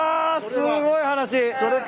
すごい話。